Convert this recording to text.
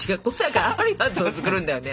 あるやつを作るんだよね？